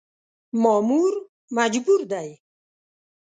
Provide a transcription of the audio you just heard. مامور مجبور دی .